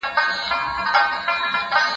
دوسته څو ځله مي ږغ کړه تا زه نه یم اورېدلی